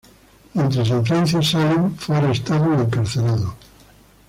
Mientras en Francia, Salem fue arrestado y encarcelado.